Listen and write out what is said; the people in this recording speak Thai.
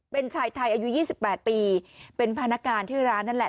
เป็นชายไทยอายุ๒๘ปีเป็นพนักงานที่ร้านนั่นแหละ